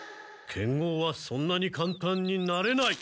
剣豪はそんなにかんたんになれない。